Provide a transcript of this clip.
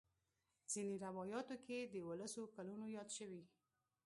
ځینې روایاتو کې د دولسو کلونو یاد شوی.